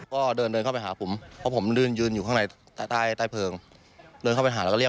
ก็ก็ก็คิดว่าเขาจะยิงนะครับ